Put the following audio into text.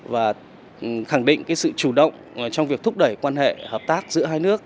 và khẳng định sự chủ động trong việc thúc đẩy quan hệ hợp tác giữa hai nước